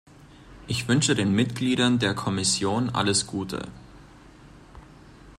Ich wünsche den Mitgliedern der Kommission alles Gute.